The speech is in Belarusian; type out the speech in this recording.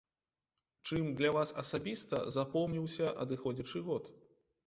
Чым для вас асабіста запомніўся адыходзячы год?